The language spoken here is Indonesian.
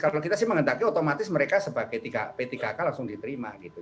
kalau kita sih menghendaki otomatis mereka sebagai p tiga k langsung diterima gitu